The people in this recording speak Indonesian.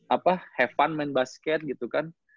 apa have fun main basket gitu kan